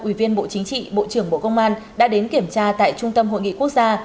ủy viên bộ chính trị bộ trưởng bộ công an đã đến kiểm tra tại trung tâm hội nghị quốc gia